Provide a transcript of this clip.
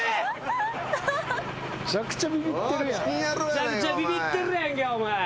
めちゃくちゃビビってるやんけお前。